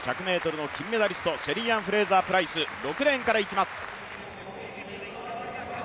１００ｍの金メダリスト、シェリーアン・フレイザー・プライス６レーンからいきます。